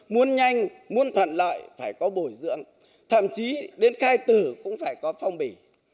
muốn nhanh muốn thuận loại phải có bồi dưỡng thậm chí đến khai tử cũng phải có phong bỉ